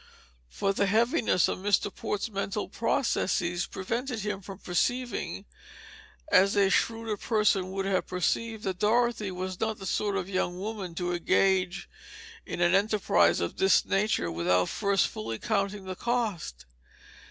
For the heaviness of Mr. Port's mental processes prevented him from perceiving, as a shrewder person would have perceived, that Dorothy was not the sort of young woman to engage in an enterprise of this nature without first fully counting the cost.